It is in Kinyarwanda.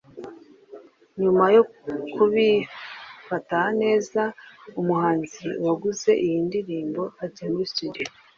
nyuma yo kubifata neza umuhanzi waguze iyi ndirimbo ajya muri studio